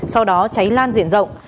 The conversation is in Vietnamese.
sau đó cháy lan diện rộng